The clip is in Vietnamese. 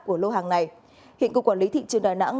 của lô hàng này hiện cục quản lý thị trường đà nẵng